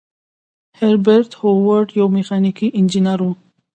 هربرت هوور یو میخانیکي انجینر و.